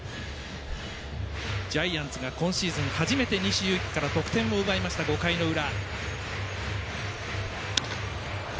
ジャイアンツが今シーズン初めて西勇輝から得点を奪いました５回の裏。